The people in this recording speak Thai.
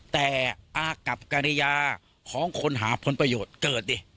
แต่อากับกริยาของคนหาผลประโยชน์เกิดดิ